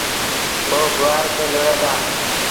پو گُوآر کي لُڻيٚن دآ